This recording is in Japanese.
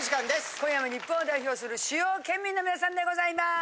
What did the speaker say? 今夜も日本を代表する主要県民の皆さんでございます。